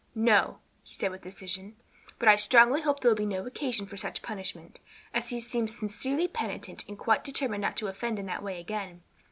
"No," he said with decision; "but I strongly hope there will be no occasion for such punishment, as he seems sincerely penitent and quite determined not to offend in that way again.